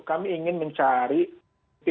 kami ingin mencari